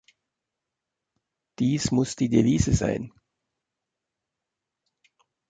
Dies muss die Devise sein!